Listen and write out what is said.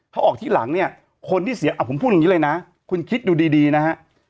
เค้าออกที่หลังนี่คนที่เสียอ่ะผมพูดแบบนี้เลยคุณคิดดูดีนะคะ